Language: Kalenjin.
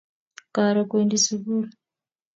Karo kwendi sugul.